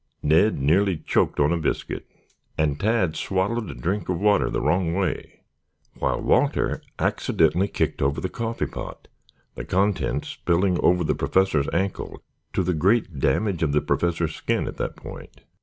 Ned nearly choked on a biscuit, and Tad swallowed a drink of water the wrong way, while Walter accidentally kicked over the coffee pot, the contents spilling over the Professor's ankle to the great damage of the Professor's skin at that point.